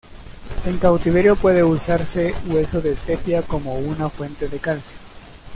En cautiverio puede usarse hueso de sepia como una fuente de calcio.